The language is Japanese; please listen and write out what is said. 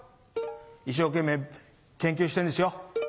一生懸命研究してるんですよ。